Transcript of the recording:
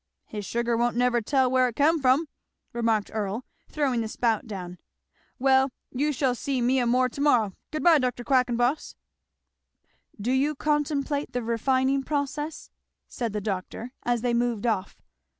"His sugar won't never tell where it come from," remarked Earl, throwing the spout down. "Well, you shall see more o' me to morrow. Good bye, Dr. Quackenboss!" "Do you contemplate the refining process?" said the doctor, as they moved off.